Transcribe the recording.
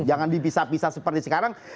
jangan dipisah pisah seperti sekarang